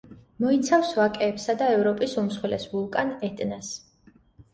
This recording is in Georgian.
მოიცავს ვაკეებსა და ევროპის უმსხვილეს ვულკან ეტნას.